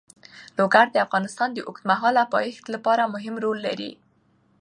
لوگر د افغانستان د اوږدمهاله پایښت لپاره مهم رول لري.